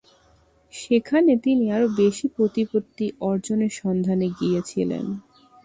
সেখানে তিনি আরও বেশি প্রতিপত্তি অর্জনের সন্ধানে গিয়েছিলেন।